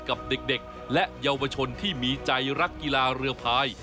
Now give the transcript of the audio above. กับเด็กและเยาวชนที่มีใจรักกีฬาเรือพาย